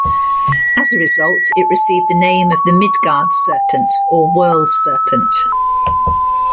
As a result, it received the name of the Midgard Serpent or World Serpent.